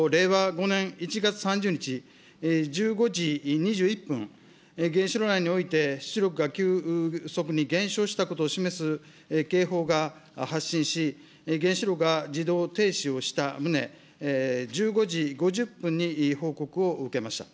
５年１月３０日１５時２１分、原子炉内において出力が急速に減少したことを示す警報が発信し、原子炉が自動停止をした旨、１５時５０分に報告を受けました。